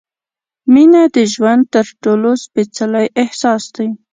مینه د ژوند تر ټولو سپېڅلی احساس دی.